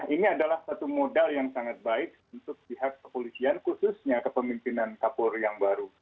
ini adalah satu modal yang sangat baik untuk pihak kepolisian khususnya kepemimpinan kapolri yang baru